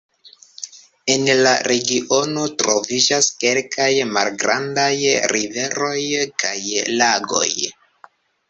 En la regiono troviĝas kelkaj malgrandaj riveroj kaj lagoj.